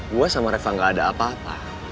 gue sama refa gak ada apa apa